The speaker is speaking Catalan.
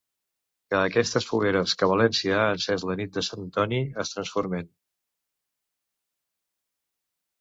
Que aquestes fogueres que València ha encés la nit de Sant Antoni es transformen!